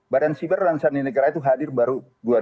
badan siber dan sandi negara itu hadir baru dua ribu tujuh belas